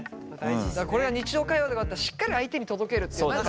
これが日常会話だったらしっかり相手に届けるって。